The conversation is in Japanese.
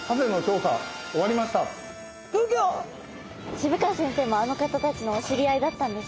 渋川先生もあの方たちのお知り合いだったんですね。